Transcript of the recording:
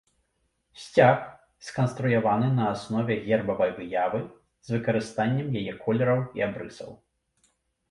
Сцяг сканструяваны на аснове гербавай выявы, з выкарыстаннем яе колераў і абрысаў.